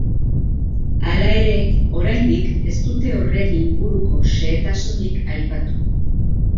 Hala ere, oraindik ez dute horren inguruko xehetasunik aipatu.